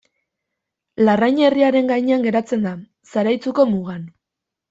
Larraine herriaren gainean geratzen da, Zaraitzuko mugan.